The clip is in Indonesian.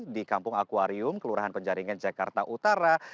di kampung akwarium kelurahan penjaringan jakarta utara